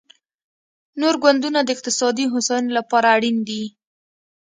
نور ګوندونه د اقتصادي هوساینې لپاره اړین دي